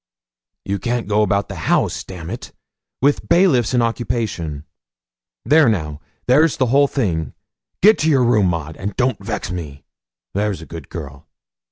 'You can't go about the house, d n it, with bailiffs in occupation. There now there's the whole thing. Get to your room, Maud, and don't vex me. There's a good girl.'